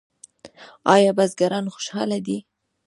آیا بزګران خوشحاله دي؟